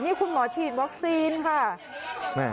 นี่คุณหมอฉีดวัคซีนค่ะ